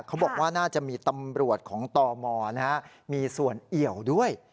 เขาบอกว่าน่าจะมีตำรวจของตมมีส่วนเอี่ยวด้วย